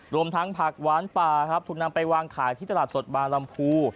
รวมทั้งผักหวานป่าครับถูกนำไปวางขายที่ตลาดสดบางลำพู